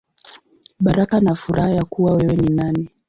Baraka na Furaha Ya Kuwa Wewe Ni Nani.